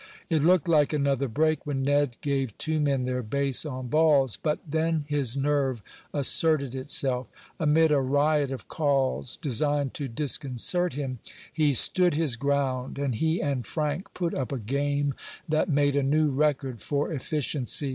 It looked like another break when Ned gave two men their base on balls, but then his nerve asserted itself. Amid a riot of calls, designed to disconcert him, he stood his ground, and he and Frank put up a game that made a new record for efficiency.